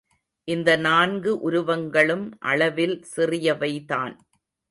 இந்த நான்கு உருவங்களும் அளவில் சிறியவைதான்.